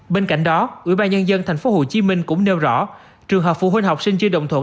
bên cạnh đó ủy ban nhân dân tp hcm cũng nêu rõ trường học phụ huynh học sinh chưa đồng thuận